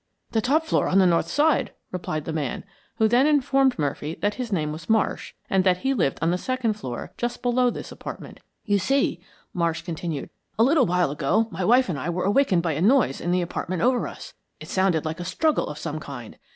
"The top floor on the north side," replied the man, who then informed Murphy that his name was Marsh, and that he lived on the second floor, just below this apartment. "You see," Marsh continued, "a little while ago my wife and I were awakened by a noise in the apartment over us. It sounded like a struggle of some kind.